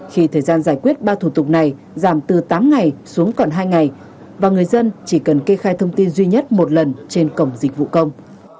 khi thời gian giải quyết ba thủ tục này giảm từ tám ngày xuống còn hai ngày và người dân chỉ cần kê khai thông tin duy nhất một lần trên cổng dịch vụ công